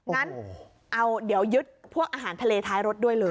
งั้นเอาเดี๋ยวยึดพวกอาหารทะเลท้ายรถด้วยเลย